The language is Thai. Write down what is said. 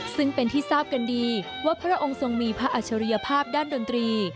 ซึ่งเป็นที่ทราบกันดีว่าพระองค์ทรงมีพระอัจฉริยภาพด้านดนตรี